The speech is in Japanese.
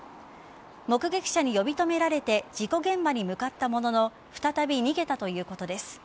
目撃者に呼び止められて事故現場に向かったものの再び逃げたということです。